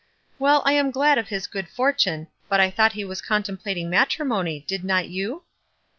"Well, I ana glad of his good fortune, but I thought he was contemplating matrimony, did not you?"